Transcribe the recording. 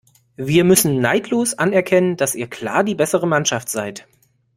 Wir müssen neidlos anerkennen, dass ihr klar die bessere Mannschaft seid.